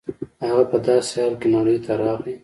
هغه په داسې حال کې نړۍ ته راغی.